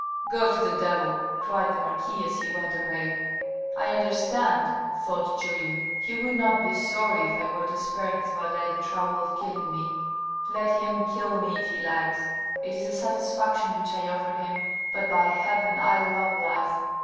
" Go to the devil," cried the marquis, as he went away. " I understand," thought Julien. " He would not be sorry if I were to spare his valet the trouble of killing me. ... "Let him kill me, if he likes; it is a satisfaction which I offer him. ... But, by heaven, I love life.